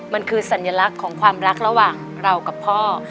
มันคือสัญลักษณ์ของความรักระหว่างเรากับพ่อ